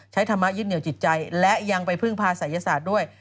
ธรรมะยึดเหนียวจิตใจและยังไปพึ่งพาศัยศาสตร์ด้วย